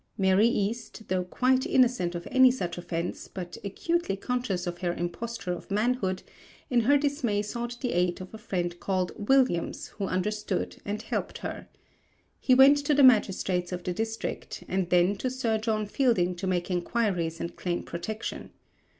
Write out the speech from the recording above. Mary East, though quite innocent of any such offence but acutely conscious of her imposture of manhood, in her dismay sought the aid of a friend called Williams who understood and helped her. He went to the magistrates of the district and then to Sir John Fielding to make inquiries and claim protection.